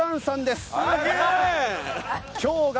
すげえ！